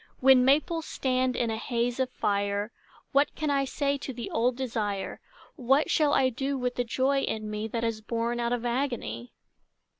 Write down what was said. When maples stand in a haze of fire What can I say to the old desire, What shall I do with the joy in me That is born out of agony?